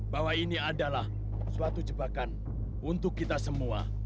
bahwa ini adalah suatu jebakan untuk kita semua